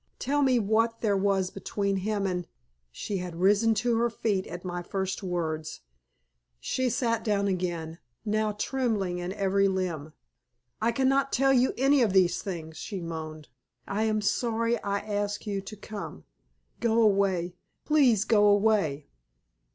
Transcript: Tell me what there was between him and " She had risen to her feet at my first words. She sat down again, now trembling in every limb. "I cannot tell you any of these things," she moaned. "I am sorry I asked you to come. Go away! Please go away!"